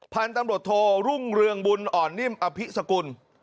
พันธุ์ตำรวจโทรุ่งเรืองบุญอ่อนนิ่มอภิษกุล